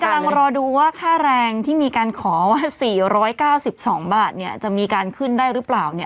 กำลังรอดูว่าค่าแรงที่มีการขอว่า๔๙๒บาทจะมีการขึ้นได้หรือเปล่า